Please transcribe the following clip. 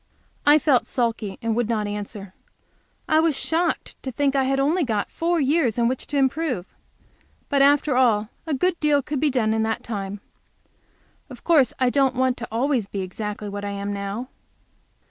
I felt sulky, and would not answer. I was shocked to think I had got only four years in which to improve, but after all a good deal could be done in that time. Of course I don't want to be always exactly what I am now.